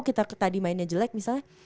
kita tadi mainnya jelek misalnya